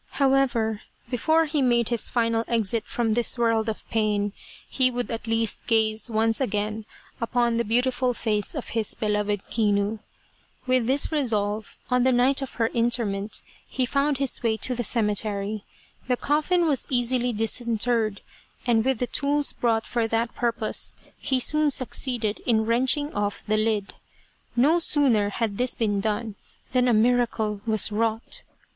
However, before he made his final exit from this world of pain, he would at least gaze once again upon the beautiful face of his beloved Kinu. With this resolve, on the night of her interment he found his way to the cemetery ; the coffin was easily disinterred, and with the tools brought for that pur 233 Kinu Returns from the Grave pose, he soon succeeded in wrenching off the lid. No sooner had this been done than a miracle was wrought.